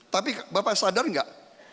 tapi bapak sadar nggak